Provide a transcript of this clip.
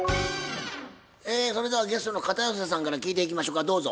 それではゲストの片寄さんから聞いていきましょかどうぞ。